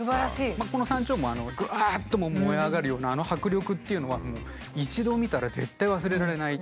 この「山鳥毛」ぐわっと燃え上がるようなあの迫力っていうのはもう一度見たら絶対忘れられない。